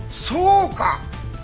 そうか！